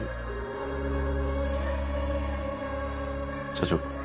社長。